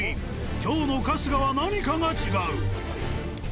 今日の春日は何かが違う。